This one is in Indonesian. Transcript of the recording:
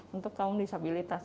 untuk kaum disabilitas